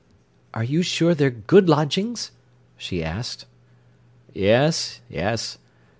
"Are you sure they're good lodgings?" she asked. "Yes—yes.